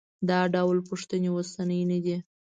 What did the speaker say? دا ډول پوښتنې اوسنۍ نه دي.